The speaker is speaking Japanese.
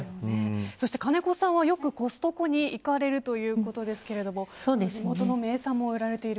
そして金子さんはよくコストコに行かれるということですが地元の名産も売られている